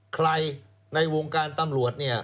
ในวงการตำรวจเนี่ย